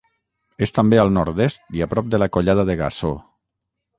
És també al nord-est i a prop de la Collada de Gassó.